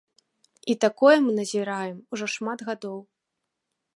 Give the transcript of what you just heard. І такое мы назіраем ужо шмат гадоў.